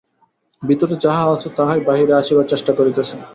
ভিতরে যাহা আছে, তাহাই বাহিরে আসিবার চেষ্টা করিতেছে।